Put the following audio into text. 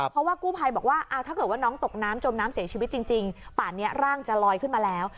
เพราะว่ากู้ภัยบอกว่าถ้าเกิดว่าน้องตกน้ำจมน้ำเสียชีวิตจริงป่านนี้ร่างจะลอยขึ้นมาแล้ว